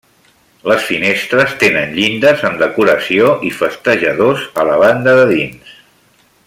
Les finestres tenen llindes amb decoració i festejadors a la banda de dins.